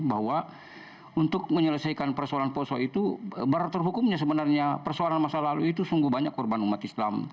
bahwa untuk menyelesaikan persoalan poso itu beratur hukumnya sebenarnya persoalan masa lalu itu sungguh banyak korban umat islam